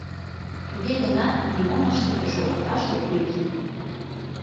Туге гынат нимом ыштыде шогылташ ок лий.